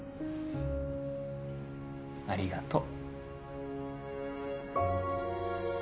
ありがとう。